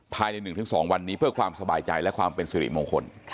ภายใน๑๒วันนี้เพื่อความสบายใจและความเป็นสิริมงคล